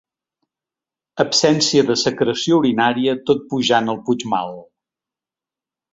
Absència de secreció urinària tot pujant al Puigmal.